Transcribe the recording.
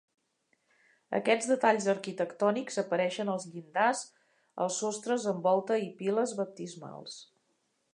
Aquests detalls arquitectònics apareixen als llindars, els sostres amb volta i piles baptismals.